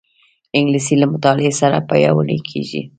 انګلیسي له مطالعې سره پیاوړې کېږي